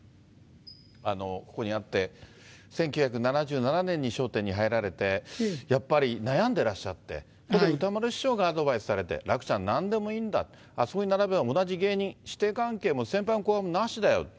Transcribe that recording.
ここにあって、１９７７年に笑点に入られて、やっぱり悩んでらっしゃって、歌丸師匠がアドバイスされて、楽ちゃん、なんでもいいんだ、あそこに並べば同じ芸人、師弟関係も、先輩も後輩もなしだよ。